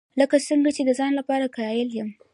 لکه څنګه چې د ځان لپاره قایل یم.